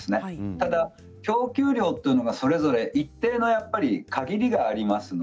ただ供給量がそれぞれ一定の限りがあります。